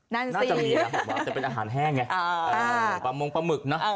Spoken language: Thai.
น่าจะมีนะแต่เป็นอาหารแห้งไงปลามงปลาหมึกนะ